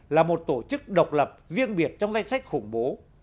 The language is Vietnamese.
là một tổ chức độc lập riêng biệt trong danh sách khủng bố